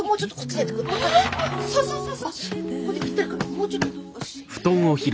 もうちょっと。